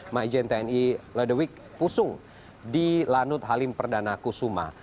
majen tni ledevik pusung di lanut halim perdana kusuma